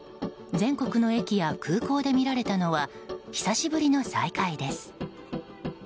全国の駅や空港で見られたのは久しぶりの再会です。